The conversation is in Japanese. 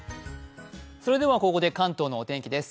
それではここで関東のお天気です。